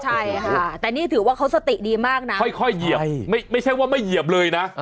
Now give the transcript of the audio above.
ใช่ค่ะแต่นี่ถือว่าเขาสติดีมากนะค่อยเหยียบไม่ใช่ว่าไม่เหยียบเลยนะ